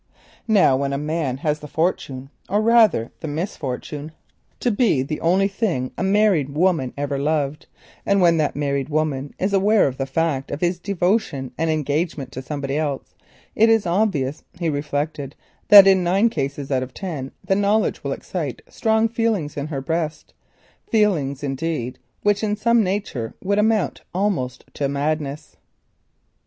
Now when a man who is not her husband has the fortune, or rather the misfortune, to be the only thing a married woman ever loved, and when that married woman is aware of the fact of his devotion and engagement to somebody else, it is obvious, he reflected, that in nine cases out of ten the knowledge will excite strong feelings in her breast, feelings indeed which in some natures would amount almost to madness.